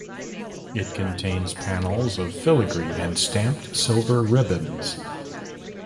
It contains panels of filigree and stamped silver ribbons.